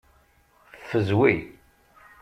Ffezwi.